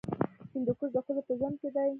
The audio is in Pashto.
هندوکش د ښځو په ژوند کې دي.